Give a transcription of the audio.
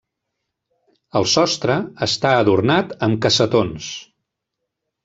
El sostre està adornat amb cassetons.